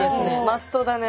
マストだね。